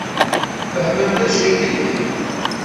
Tfehmem d acu i d-nniɣ?